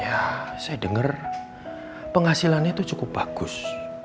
ya saya denger penghasilannya tuh cukup bagus